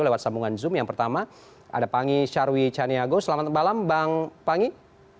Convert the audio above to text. lewat sambungan zoom yang pertama ada pangis charwi chaniago selamat malam bang pangis